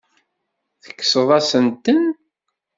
Tekkseḍ-asent-ten.